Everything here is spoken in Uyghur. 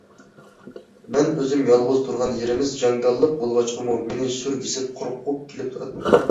مەن ئۆزۈم يالغۇز، تۇرغان يېرىمىز جاڭگاللىق بولغاچقىمۇ مېنى سۈر بېسىپ قورققۇم كېلىپ تۇراتتى.